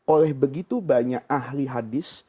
oleh begitu banyak ahli hadis